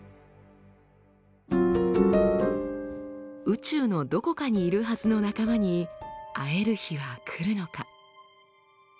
宇宙のどこかにいるはずの仲間に会える日は来るのか？